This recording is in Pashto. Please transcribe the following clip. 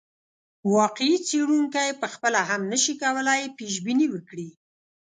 واقعي څېړونکی پخپله هم نه شي کولای پیشبیني وکړي.